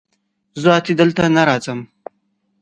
زه اتي دلته نه راځم